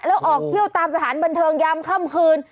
แล้วออกเที่ยวตามสถานบันเทิงยามค่ำคืน